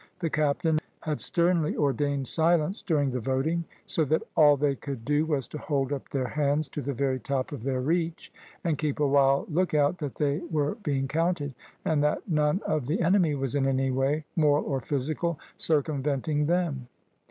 The captain had sternly ordained silence during the voting; so that all they could do was to hold up their hands to the very top of their reach, and keep a wild look out that they were being counted, and that none of the enemy was in any way, moral or physical, circumventing them.